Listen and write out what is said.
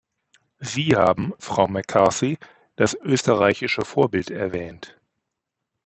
Sie haben, Frau McCarthy, das österreichische Vorbild erwähnt.